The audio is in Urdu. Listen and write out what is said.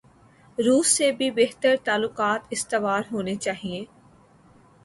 روس سے بھی بہتر تعلقات استوار ہونے چائیں۔